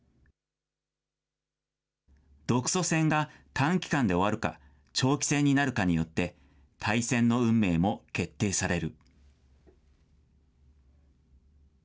独ソ戦が短期間で終わるか、長期戦になるかによって、大戦の運命も決定される。